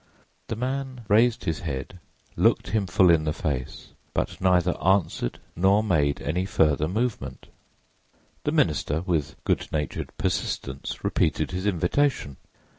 The man raised his head, looked him full in the face, but neither answered nor made any further movement. The minister, with good natured persistence, repeated his invitation.